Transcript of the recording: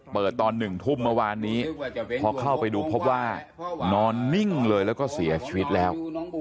ตอน๑ทุ่มเมื่อวานนี้พอเข้าไปดูพบว่านอนนิ่งเลยแล้วก็เสียชีวิตแล้ว